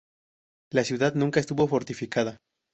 La ciudad nunca estuvo fortificada.